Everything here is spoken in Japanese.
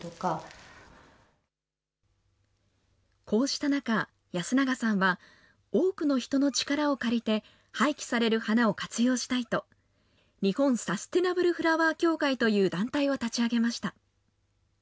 こうした中、安永さんは、多くの人の力を借りて、廃棄される花を活用したいと、日本サステナブルフラワー協会という団体を立ち上げました。